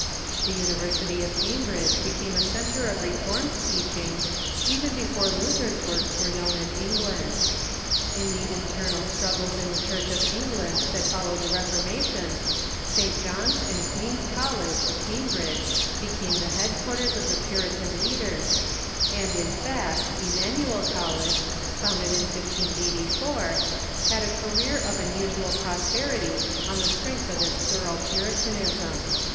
The University of Cambridge became a centre of Reformed teachings even before Luther's works were known in England. In the inter nal struggles in the Church of England that followed the Ref ormation, St. John's and Queen's College, of Cambridge, be came the headquarters of the Puritan leaders, and, in fact, Emmanuel College, founded in 1584, had a career of unusual prosperity on the strength of its thorough Puritanism.